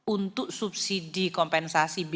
untuk subsidi kompensasi bbi